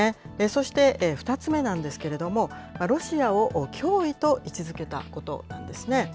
そして２つ目なんですけれども、ロシアを脅威と位置づけたことなんですね。